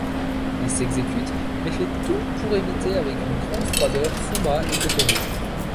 Il s'exécute, mais fait tout pour éviter avec une grande froideur Fuma et Kotori.